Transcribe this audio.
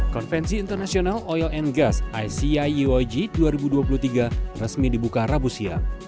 konvensi internasional oil and gas ici uog dua ribu dua puluh tiga resmi dibuka rabu siang